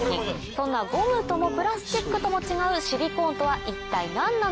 そんなゴムともプラスチックとも違うシリコーンとは一体何なのか？